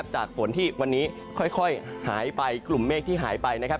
ฝนที่วันนี้ค่อยหายไปกลุ่มเมฆที่หายไปนะครับ